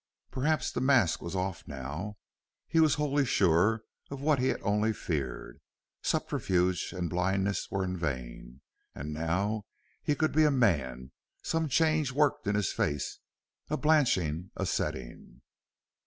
Perhaps the mask was off now; he was wholly sure of what he had only feared; subterfuge and blindness were in vain; and now he could be a man. Some change worked in his face a blanching, a setting.